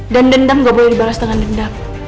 dan dendam gak boleh dibalas dengan dendam